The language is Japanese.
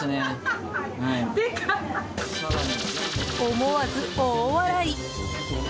思わず大笑い！